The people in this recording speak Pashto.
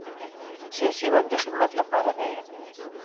سیاسي واک د خدمت لپاره دی